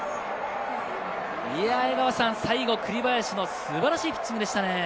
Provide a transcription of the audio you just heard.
最後、栗林の素晴らしいピッチングでしたね。